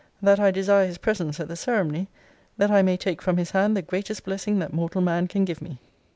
That I desire his presence at the ceremony; that I may take from his hand the greatest blessing that mortal man can give me.'